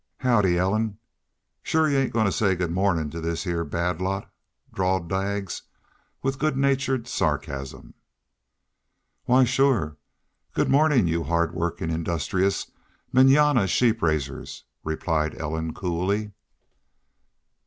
"Howdy, Ellen. Shore you ain't goin' to say good mawnin' to this heah bad lot?" drawled Daggs, with good natured sarcasm. "Why, shore! Good morning, y'u hard working industrious MANANA sheep raisers," replied Ellen, coolly.